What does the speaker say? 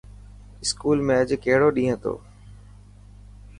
اسڪول ۾ اڄ ڪهڙو ڏينهن هتو.